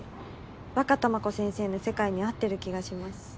ワカタマコ先生の世界に合ってる気がします。